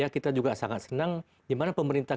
kita juga sangat senang di mana pemerintah